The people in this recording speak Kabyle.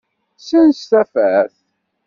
Ssens tafat!